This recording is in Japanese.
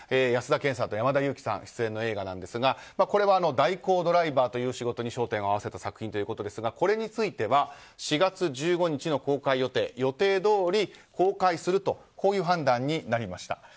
安田顕さんと山田裕貴さんが出演の映画ですがこれは代行ドライバーという仕事に焦点を合わせた作品ということですがこれについては４月１５日公開予定予定どおり公開するという判断になりました。